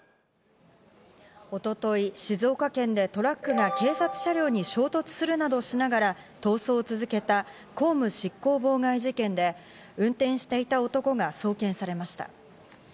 一昨日、静岡県でトラックが警察車両に衝突するなどしながら逃走を続けた公務執行妨害事件で、運転していた男が送検されました。